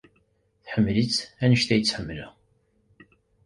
Tḥemmel-itt anect ay tt-ḥemmleɣ.